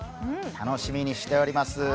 楽しみにしております。